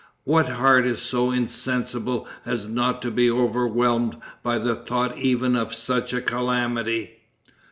What heart is so insensible as not to be overwhelmed by the thought even of such a calamity?